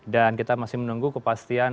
dan kita masih menunggu kepastian